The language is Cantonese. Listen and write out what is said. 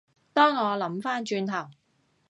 當我諗返轉頭